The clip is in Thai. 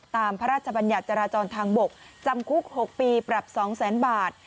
พระราชบัญญัติจราจรทางบกจำคุก๖ปีปรับ๒๐๐๐๐บาท